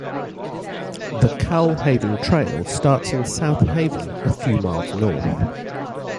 The Kal-Haven Trail starts in South Haven a few miles north.